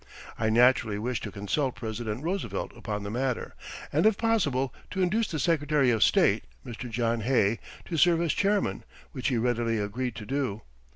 I naturally wished to consult President Roosevelt upon the matter, and if possible to induce the Secretary of State, Mr. John Hay, to serve as chairman, which he readily agreed to do.